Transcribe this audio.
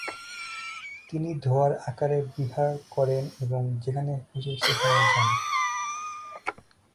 তিনি ধোঁয়ার আকারে বিহার করেন এবং যেখানে খুশি সেখানে যান।